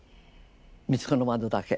「光子の窓」だけ。